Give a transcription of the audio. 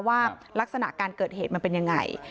ว่าลักษณะการเกิดเหตุมันเป็นยังไง